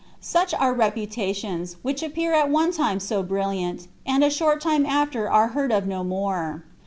Such are reputations, which appear at one time so brilliant, and a short time after are heard of no more.